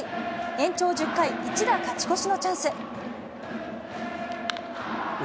延長１０回、一打勝ち越しのチャンス。